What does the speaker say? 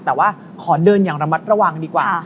แต่ว่าขอเดินอย่างระมัดระวังดีกว่า